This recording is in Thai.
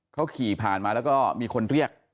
เขาขี่ผ่านมาแล้วก็มีคนเรียก